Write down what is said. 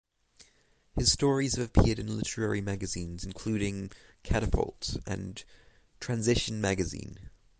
His stories have appeared in literary magazines including "Catapult" and "Transition Magazine".